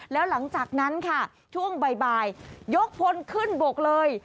แล้วหลังจากนั้นค่ะช่วงบ่ายยกพลขึ้นบกเลย